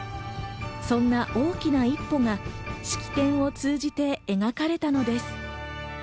そんな大きな一歩が式典を通じて描かれたのです。